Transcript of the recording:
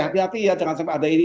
hati hati ya jangan sampai ada ini